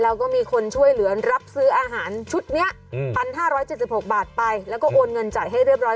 แล้วก็มีคนช่วยเหลือรับซื้ออาหารชุดนี้๑๕๗๖บาทไปแล้วก็โอนเงินจ่ายให้เรียบร้อย